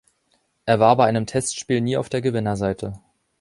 Er war bei einem Testspiel nie auf der Gewinnerseite.